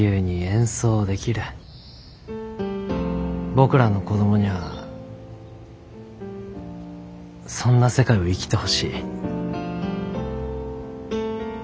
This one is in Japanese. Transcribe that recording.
僕らの子供にゃあそんな世界を生きてほしい。